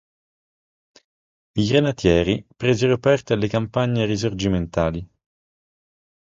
I granatieri presero parte alle campagne risorgimentali.